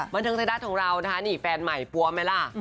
บันเทิงไทยรัฐของเราแฟนใหม่ปัวเมล่า